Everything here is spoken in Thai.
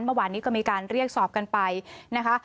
เมื่อวานนี้ก็มีการเรียกสอบกันไปนะคะ